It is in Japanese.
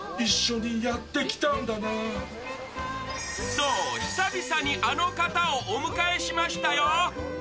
そう、久々にあの方をお迎えしましたよ。